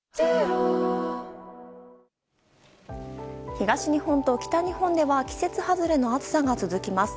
東日本と北日本では季節外れの暑さが続きます。